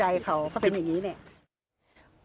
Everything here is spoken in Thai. โอ้เครียดเค้าร้อนน้อยใจเค้าก็เป็นอย่างนี้เนี่ย